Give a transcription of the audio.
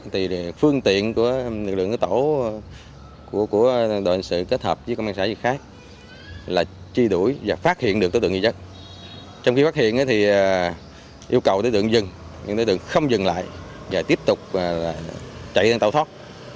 trong khi phát hiện thì yêu cầu đối tượng dừng những đối tượng không dừng lại và tiếp tục chạy lên tàu thoát